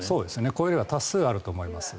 こういうのが多数あると思います。